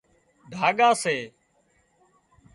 ڍاڳا سي